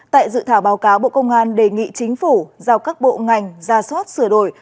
tại dự thảo báo cáo bộ công an đề nghị chính phủ giao các bộ ngành ra soát sửa đổi